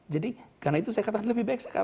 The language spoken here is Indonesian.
jadi karena itu saya katakan lebih baik